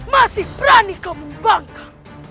masih berani kamu bangga